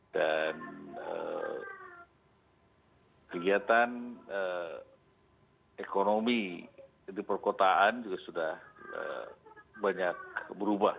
dan kegiatan ekonomi di perkotaan juga sudah banyak berubah